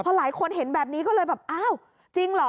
พอหลายคนเห็นแบบนี้ก็เลยแบบอ้าวจริงเหรอ